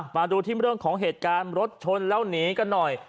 มาดูที่เรื่องของเหตุการณ์รถชนแล้วหนีกันหน่อย